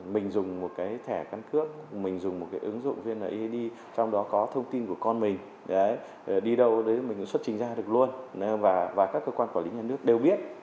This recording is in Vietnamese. mình dùng một cái thẻ căn cước mình dùng một cái ứng dụng vnid trong đó có thông tin của con mình đi đâu mình xuất trình ra được luôn và các cơ quan quản lý nhà nước đều biết